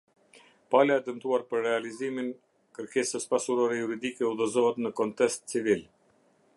Pala e dëmtuar për realizimin kërkesës pasurore juridike udhëzohet ne konstest civil.